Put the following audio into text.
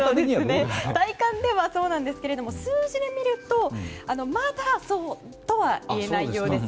体感ではそうですが数字で見るとまだ、そうとはいえないようです。